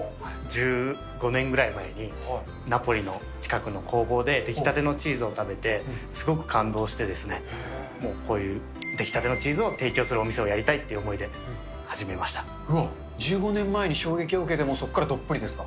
１５年ぐらい前に、ナポリの近くの工房で、出来たてのチーズを食べて、すごく感動して、もうこういう、出来たてのチーズを提供するお店をやりたいっていう思いで始めまうわっ、１５年前に衝撃を受けて、もうそこからどっぷりですか？